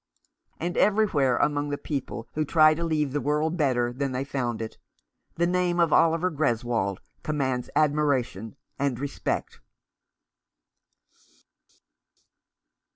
And everywhere, among the. people who try to leave the world better than they found it, the name of Oliver Greswold commands admiration and respect.